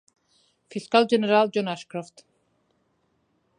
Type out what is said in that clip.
Fiscal general John Ashcroft.